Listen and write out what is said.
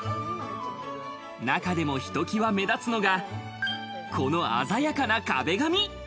中でも、ひときわ目立つのが、この鮮やかな壁紙。